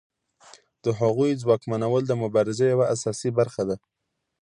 د هغوی ځواکمنول د مبارزې یوه اساسي برخه ده.